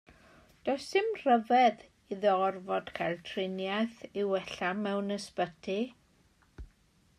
Does dim rhyfedd iddo orfod cael triniaeth i wella mewn ysbyty.